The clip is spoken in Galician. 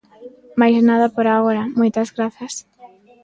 Máis nada por agora, moitas grazas.